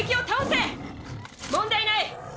問題ない。